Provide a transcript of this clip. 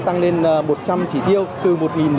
tăng lên một trăm linh trí tiêu từ một nghìn bốn trăm năm mươi